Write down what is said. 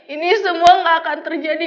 ini semua gak akan terjadi